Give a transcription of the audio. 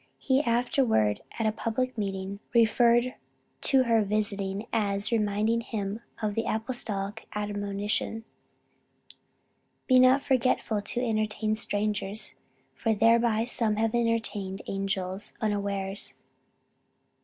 He afterward, at a public meeting, referred to her visit as "reminding him of the apostolic admonition, 'Be not forgetful to entertain strangers, for thereby some have entertained angels unawares.'"